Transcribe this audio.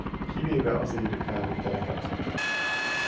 Kivéve az élő felvételeket.